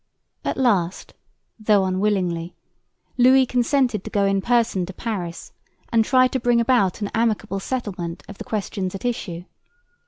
At last, though unwillingly, Louis consented to go in person to Paris and try to bring about an amicable settlement of the questions at issue.